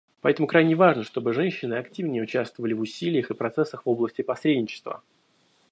Поэтому крайне важно, чтобы женщины активнее участвовали в усилиях и процессах в области посредничества.